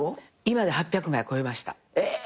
今８００枚超えました。